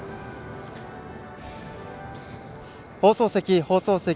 放送席、放送席。